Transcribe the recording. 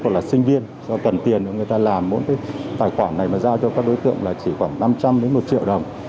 hoặc là sinh viên do cần tiền người ta làm mỗi cái tài khoản này mà giao cho các đối tượng là chỉ khoảng năm trăm linh đến một triệu đồng